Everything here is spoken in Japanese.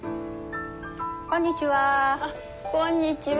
こんにちは。